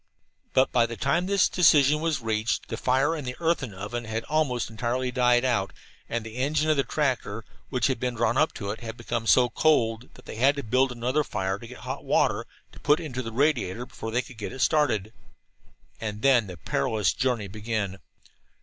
But by the time this decision was reached the fire in the earthen oven had almost entirely died out, and the engine of the tractor, which had been drawn up to it, had become so cold that they had to build another fire, to get hot water to put into the radiator, before they could get it started. And then the perilous journey began.